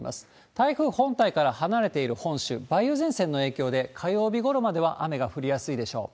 台風本体から離れている本州、梅雨前線の影響で、火曜日ごろまでは雨が降りやすいでしょう。